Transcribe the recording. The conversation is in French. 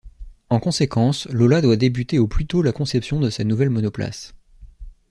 En conséquence, Lola doit débuter au plus tôt la conception de sa nouvelle monoplace.